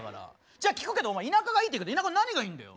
じゃあ聞くけどお前田舎がいいって言うけど田舎の何がいいんだよ。